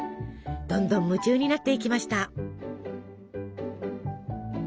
どんどん夢中になっていきました。